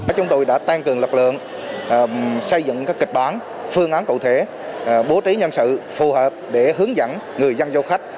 chúng tôi đã tăng cường lực lượng xây dựng các kịch bản phương án cụ thể bố trí nhân sự phù hợp để hướng dẫn người dân du khách